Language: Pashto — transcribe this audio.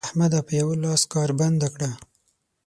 احمده! په یوه کار لاس بنده کړه.